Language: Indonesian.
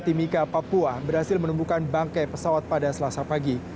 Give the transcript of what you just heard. timika papua berhasil menemukan bangkai pesawat pada selasa pagi